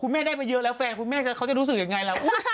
แม่ได้มาเยอะแล้วแฟนคุณแม่เขาจะรู้สึกยังไงล่ะ